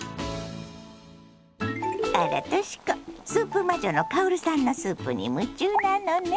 あらとし子スープ魔女の薫さんのスープに夢中なのね。